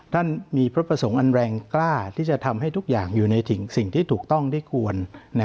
ท่านมีพระประสงค์อันแรงกล้าที่จะทำให้ทุกอย่างอยู่ในสิ่งที่ถูกต้องได้ควร